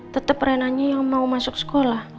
tetep renanya yang mau masuk sekolah